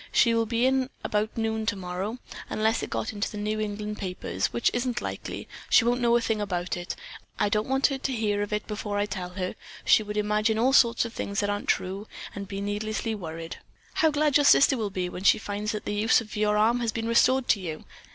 She will be in about noon tomorrow. Unless it got into the New England papers, which isn't likely, she won't know a thing about it. I don't want her to hear of it before I tell her. She would imagine all sorts of things that aren't true, and be needlessly worried." "How glad your sister will be when she finds that the use of your arm has been restored to you."